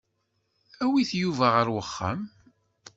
Awit Yuba ɣer uxxam.